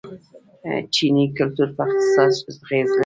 چیني کلتور په اقتصاد اغیز لري.